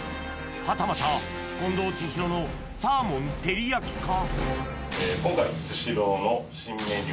はたまた近藤千尋のサーモン照り焼きか？